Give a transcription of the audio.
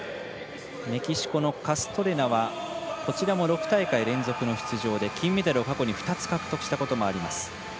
メキシコのカストレナは６大会連続の出場で金メダルを過去に２つ獲得したこともあります。